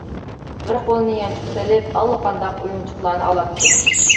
بىر قولىنى يانچۇقىغا سېلىپ، ئاللىقانداق ئويۇنچۇقلارنى ئالاتتى.